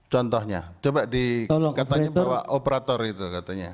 contohnya coba dikatanya bawa operator itu katanya